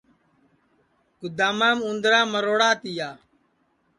گُدامام اُندرا مروڑا تیا